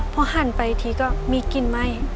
พอหันไปทีก็มีกลิ่นไหม้